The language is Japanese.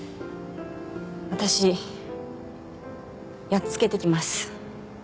私やっつけてきます